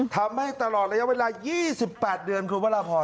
ทำให้ตลอดระยะเวลา๒๘เดือนคุณพระราพร